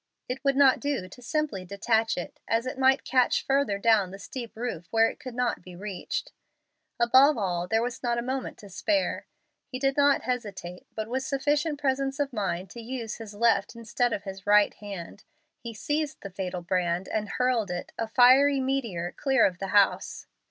It would not do to simply detach it, as it might catch further down the steep roof where it could not be reached. Above all, there was not a moment to spare. He did not hesitate, but with sufficient presence of mind to use his left instead of his right hand, he seized the fatal brand and hurled it, a fiery meteor, clear of the house.